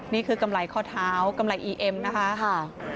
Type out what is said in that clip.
นี่คือกำไรข้อเท้ากำไรอีเอ็มนะคะค่ะ